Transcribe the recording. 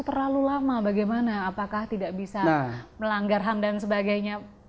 terlalu lama bagaimana apakah tidak bisa melanggar handan sebagainya